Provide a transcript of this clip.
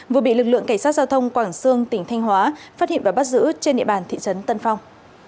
vừa bị lực lượng cảnh sát giao thông quảng sương tỉnh thanh hóa phát hiện và bắt giữ trên địa bàn thị trấn tân phong